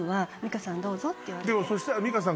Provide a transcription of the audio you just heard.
でもそしたら美香さん。